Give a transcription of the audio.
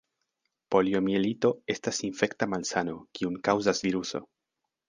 Poliomjelito estas infekta malsano, kiun kaŭzas viruso.